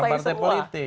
orang partai politik